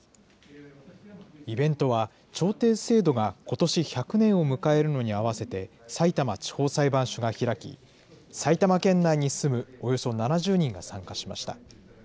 イベントは、調停制度がことし１００年を迎えるのに合わせて、さいたま地方裁判所が開き、埼玉県内に住むおよそ７０人が参加しました。